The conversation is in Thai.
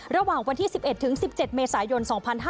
ระหว่างวันที่๑๑ถึง๑๗เมษายน๒๕๕๙